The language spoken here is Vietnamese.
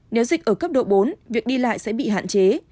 nếu dịch ở cấp độ bốn việc đi lại sẽ bị hạn chế